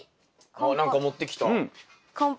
あっ何か持ってきた。